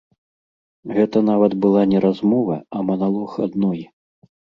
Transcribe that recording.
Гэта нават была не размова, а маналог адной.